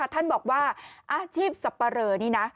ท่านบอกว่าอาชีพสับปะเรอนี่นะ